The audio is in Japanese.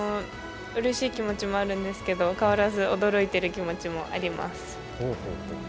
うれしい気持ちもあるんですけど、変わらず驚いている気持ちもあります。